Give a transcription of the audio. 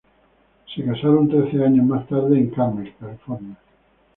Se casaron trece años más tarde, en Carmel, California.